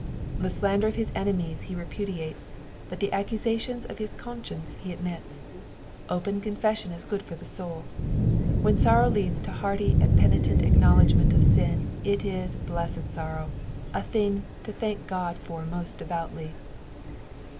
The sisnder of his enemies he rapudistes, but the sccusations of his conscience he admits. Open confession is good for the soul. When sorrow leads to bMirty and penitent acknowledgment of sin it is blessed sorrow, a thing to thank Ood for most devoutly.